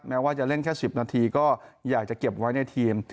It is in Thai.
ว่าจะเล่นแค่๑๐นาทีก็อยากจะเก็บไว้ในทีม